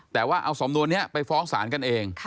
แต่ว่าเอาสำนวนนี้ไปฟ้องศาลกันเอง